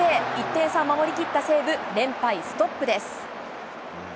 １点差を守りきった西武、連敗ストップです。